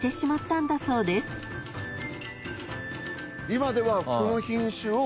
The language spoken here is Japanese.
今ではこの品種を。